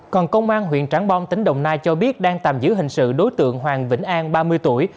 còn công an huyện trảng bom tỉnh đồng nai cho biết đang tạm giữ hình sự đối tượng hoàng vĩnh an ba mươi tuổi